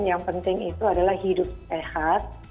yang penting itu adalah hidup sehat